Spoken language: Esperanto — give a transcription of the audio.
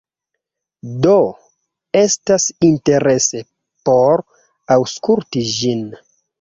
Do, estas interese por aŭskulti ĝin